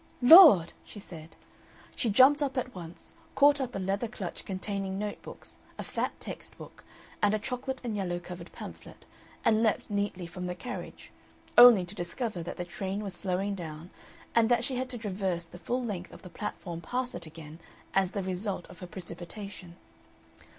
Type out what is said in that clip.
"Lord!" she said. She jumped up at once, caught up a leather clutch containing notebooks, a fat text book, and a chocolate and yellow covered pamphlet, and leaped neatly from the carriage, only to discover that the train was slowing down and that she had to traverse the full length of the platform past it again as the result of her precipitation.